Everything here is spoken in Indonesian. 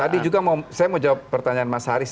tadi juga saya mau jawab pertanyaan mas haris